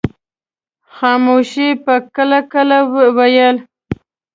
خاموش به کله کله ویل.